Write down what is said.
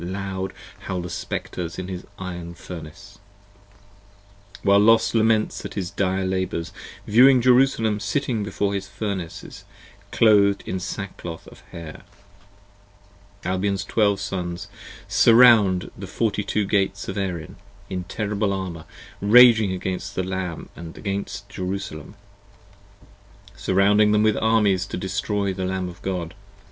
Loud howl the Spectres in his iron Furnace. 10 While Los laments at his dire labours, viewing Jerusalem, Sitting before his Furnaces clothed in sackcloth of hair; Albion's Twelve Sons surround the Forty two Gates of Erin, In terrible armour, raging against the Lamb & against Jerusalem, Surrounding them with armies to destroy the Lamb of God.